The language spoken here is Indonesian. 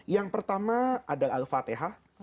yang pertama adalah al fatihah